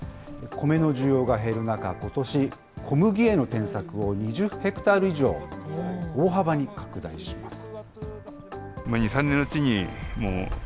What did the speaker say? コメの需要が減る中、ことし、小麦への転作を２０ヘクタール以上、大幅に拡大します。